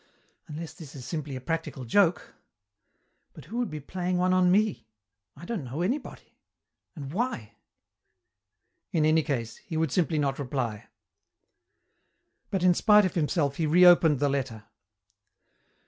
Unless this is simply a practical joke. But who would be playing one on me I don't know anybody and why?" In any case, he would simply not reply. But in spite of himself he reopened the letter.